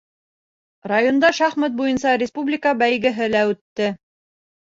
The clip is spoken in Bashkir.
Районда шахмат буйынса республика бәйгеһе лә үтте.